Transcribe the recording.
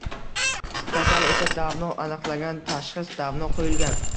Kasal esa davno aniqlangan, tashxis davno qo‘yilgan.